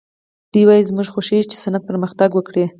دوی وايي زموږ خوښېږي چې صنعت پرمختګ وکړي